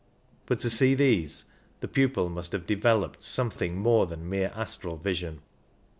But to see these the pupil must have developed something more than mere astral vision.